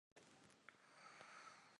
Sitio web oficial Iron Maiden Tour